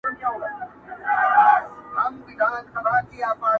په ځنگله کي چي دي هره ورځ غړومبی سي!!